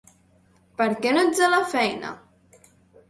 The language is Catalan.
Per què no ets a la feina?